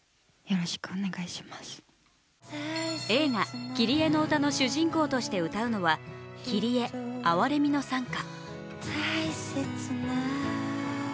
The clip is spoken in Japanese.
映画「キリエのうた」の主人公として歌うのは「キリエ・憐れみの讃歌」。